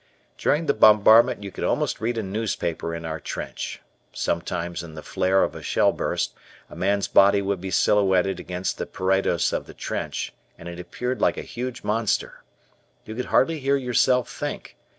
During the bombardment you could almost read a newspaper in our trench. Sometimes in the flare of a shell burst a man's body would be silhouetted against the parados of the trench and it appeared like a huge monster. You could hardly hear yourself think.